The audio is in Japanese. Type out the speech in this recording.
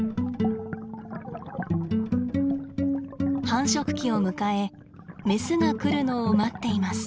繁殖期を迎えメスが来るのを待っています。